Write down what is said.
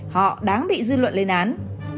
họ đáng bị dư luận lên án